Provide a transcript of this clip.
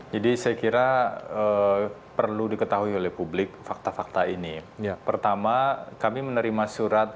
hai jadi saya kira perlu diketahui oleh publik fakta fakta ini ya pertama kami menerima surat